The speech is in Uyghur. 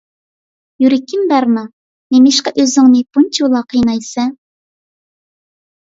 يۈرىكىم بەرنا، نېمىشقا ئۆزۈڭنى بۇنچىۋالا قىينايسەن؟